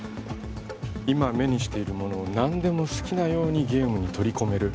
今目にしているものを何でも好きなようにゲームに取り込める